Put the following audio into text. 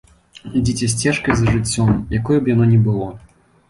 Ідзіце сцежкай за жыццём, якое б яно ні было.